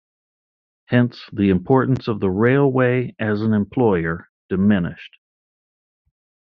Hence the importance of the railway as an employer diminished.